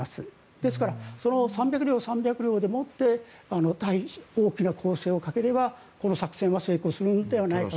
ですからその３００両、３００両をもって大きな攻勢をかければこの作戦は成功するのではないかと。